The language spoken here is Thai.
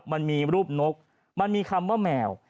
มันมีรูปนกมันมีคำว่าแมว